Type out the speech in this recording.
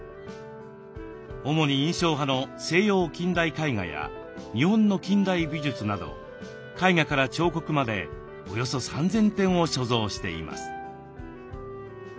主に印象派の西洋近代絵画や日本の近代美術など絵画から彫刻までおよそ３，０００点を所蔵しています。